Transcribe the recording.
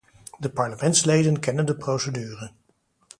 De parlementsleden kennen de procedure.